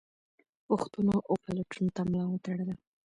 پوښتنو او پلټنو ته ملا وتړله.